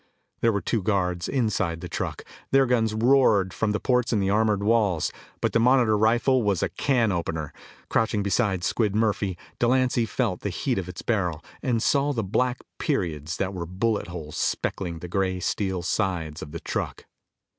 There were two guards inside the truck. Their guns roared from the ports in the armored walls. But the Monitor rifle was a can opener. Crouching beside Squid Murphy, Delancy felt the heat of its barrel and saw the black periods that were bullet holes speckling the gray steel sides of the truck.